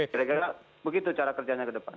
kira kira begitu cara kerjanya ke depan